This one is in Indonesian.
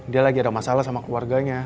dia sedang ada masalah dengan keluarganya